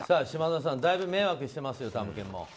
島田さんだいぶ迷惑してますよたむけんも。